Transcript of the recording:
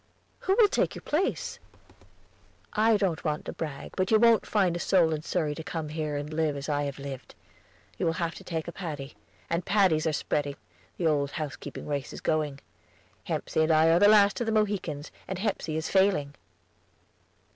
"Who will fill your place?" "I don't want to brag, but you wont find a soul in Surrey to come here and live as I have lived. You will have to take a Paddy; the Paddies are spreading, the old housekeeping race is going. Hepsey and I are the last of the Mohicans, and Hepsey is failing."